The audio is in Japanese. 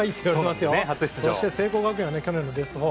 そして聖光学園は去年のベスト４。